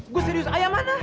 gua serius ayah mana